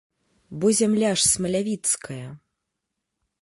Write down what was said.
Бо зямля ж смалявіцкая.